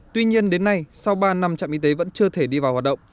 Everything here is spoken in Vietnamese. tuy nhiên đến nay sau ba năm trạm y tế vẫn chưa thể đi vào hoạt động